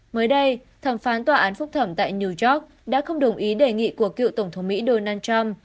mới đây thẩm phán tòa án phúc thẩm tại new york đã không đồng ý đề nghị của cựu tổng thống mỹ donald trump